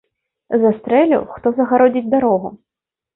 Застрэлю, хто загародзіць дарогу!